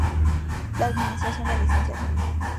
La Administración del Lic.